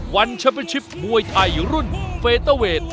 แชมเป็นชิปมวยไทยรุ่นเฟเตอร์เวท